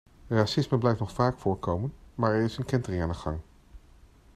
Racisme blijft nog vaak voorkomen, maar er is een kentering aan de gang.